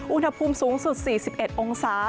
อุณหภูมิสูงสุด๔๑องศา